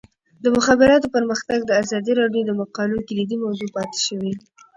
د مخابراتو پرمختګ د ازادي راډیو د مقالو کلیدي موضوع پاتې شوی.